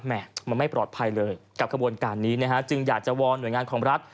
มันไม่ปลอดภัยเลยกับขบวนการนี้นะฮะจึงอยากจะวอนหน่วยงานของรัฐ